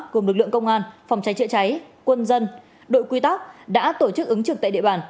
cùng lực lượng công an phòng cháy chữa cháy quân dân đội quy tắc đã tổ chức ứng trực tại địa bàn